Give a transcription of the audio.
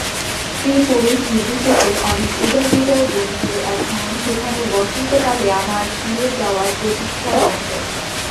স্ত্রী-পুরুষ-নির্বিশেষে অনেক উদারহৃদয় বন্ধু এখন সেখানে বসন্তকালে আমার ফিরে যাওয়ার প্রতীক্ষায় আছে।